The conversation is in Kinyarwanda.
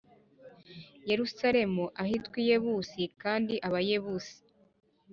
Yerusalemu ahitwa i yebusi kandi abayebusi